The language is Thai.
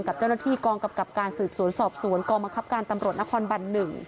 กับเจ้าหน้าที่กองกำกับการสืบสวนสอบสวนกองบังคับการตำรวจนครบัน๑